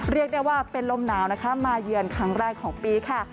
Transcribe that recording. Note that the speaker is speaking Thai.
เรียกได้ว่าเป็นลมหนาวนะคะมาเยือนครั้งแรกของปีค่ะ